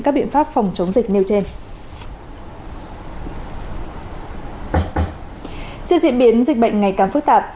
các biện pháp phòng chống dịch nêu trên diễn biến dịch bệnh ngày càng phức tạp